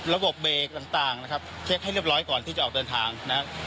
ระบบเบรกต่างนะครับเช็คให้เรียบร้อยก่อนที่จะออกเดินทางนะครับ